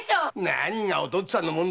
何が「お父っつぁんの物」だ。